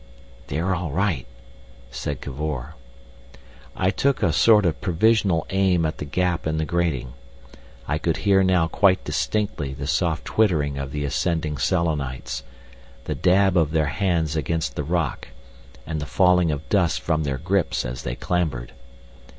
"They're all right," said Cavor. I took a sort of provisional aim at the gap in the grating. I could hear now quite distinctly the soft twittering of the ascending Selenites, the dab of their hands against the rock, and the falling of dust from their grips as they clambered.